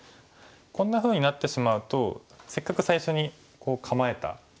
こんなふうになってしまうとせっかく最初に構えた。